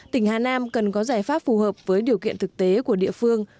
tỉnh hà nam cần có giải pháp phù hợp với điều kiện thực tế của địa phương